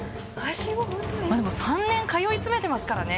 まぁでも３年通い詰めてますからね。